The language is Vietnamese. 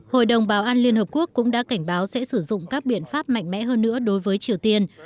hội đồng bảo an liên hợp quốc cũng đã cảnh báo sẽ sử dụng các biện pháp mạnh mẽ hơn nữa đối với triều tiên